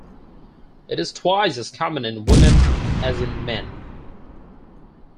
It is twice as common in women as in men.